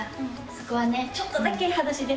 そこはね。